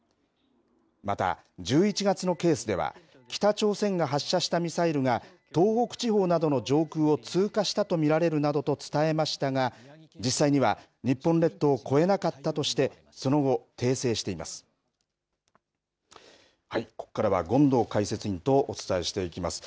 また、１１月のケースでは北朝鮮が発射したミサイルが東北地方などの上空を通過したと見られるなどと伝えましたが実際には日本列島を越えなかったとしてここからは権藤解説委員とお伝えししていきます。